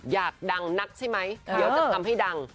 อยากดังนักใช่ไหมเดี๋ยวจะทำให้ดัง